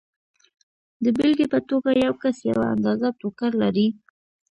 د بېلګې په توګه یو کس یوه اندازه ټوکر لري